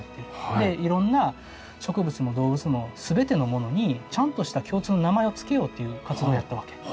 でいろんな植物も動物も全てのものにちゃんとした共通の名前を付けようっていう活動をやったわけ。